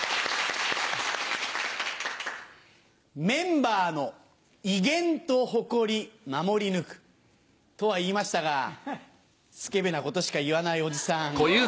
メンバーの威厳と誇り守り抜く。とは言いましたがスケベなことしか言わないおじさん。